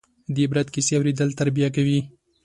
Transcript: د عبرت کیسې اورېدل تربیه کوي.